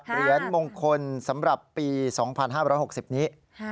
เหรียญมงคลสำหรับปี๒๕๖๐นี้